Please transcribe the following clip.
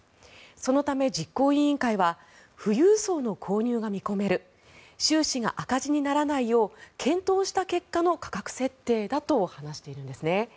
そのため、実行委員会は富裕層の購入が見込める収支が赤字にならないよう検討した結果の価格設定だと話しているんです。